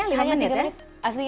aslinya lima menit ya